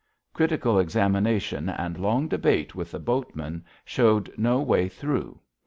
Critical examination and long debate with the boatmen showed no way through.